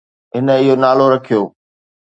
هن اهو نالو رکيو